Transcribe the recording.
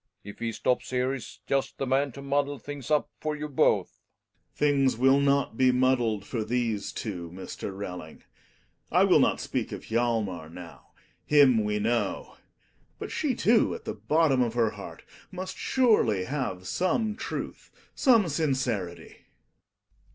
If he stops here he's just the man to muddle things up for you both. Gregers. Things will not be muddled for these two, Mr. Relling. I will not speak of Hjalmar now. Him we know. But she, too, at the bottom of her heart must surely have some truth, some sincerity.